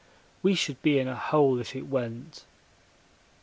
We should be in a hole if it went.